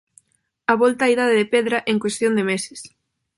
A volta á idade de pedra en cuestión de meses.